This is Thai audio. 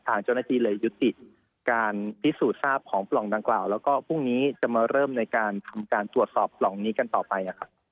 ทางเจ้าหน้าที่เลยยุติการพิสูจน์ทราบของปล่องดังกล่าวแล้วก็พรุ่งนี้จะมาเริ่มในการทำการตรวจสอบปล่องนี้กันต่อไป